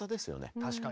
確かに。